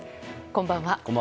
こんばんは。